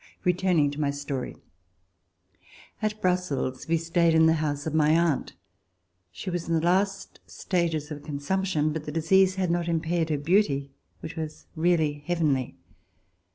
Returning to my story. At Brussels we stayed in the house of my aunt. She was in the last stages of consumption, but the disease had not impaired her beauty, which was really heavenly.